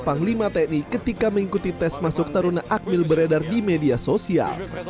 panglima tni ketika mengikuti tes masuk taruna akmil beredar di media sosial